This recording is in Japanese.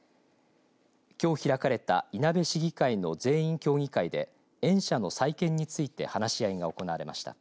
きょう開かれたいなべ市議会の全員協議会で園舎の再建について話し合いが行われました。